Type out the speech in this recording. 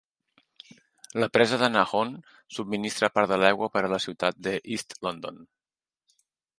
La presa de Nahoon subministra part de l'aigua per a la ciutat de East London.